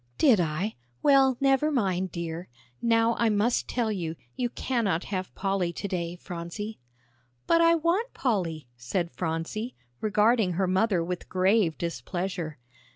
"Did I? Well, never mind, dear. Now I must tell you, you cannot have Polly to day, Phronsie." "But I want Polly," said Phronsie, regarding her mother with grave displeasure.